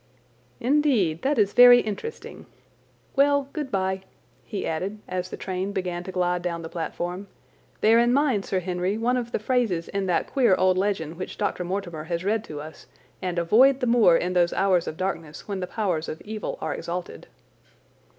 "Indeed. That is very interesting. Well, good bye," he added as the train began to glide down the platform. "Bear in mind, Sir Henry, one of the phrases in that queer old legend which Dr. Mortimer has read to us, and avoid the moor in those hours of darkness when the powers of evil are exalted."